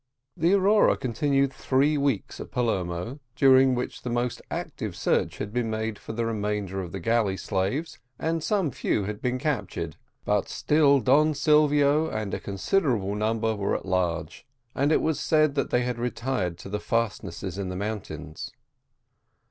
The Aurora continued three weeks at Palermo, during which the most active search had been made for the remainder of the galley slaves, and some few had been captured, but still Don Silvio, and a considerable number, were at large; and it was said that they had returned to the fastnesses in the mountains.